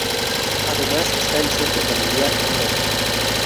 Además está el Centro Familiar No.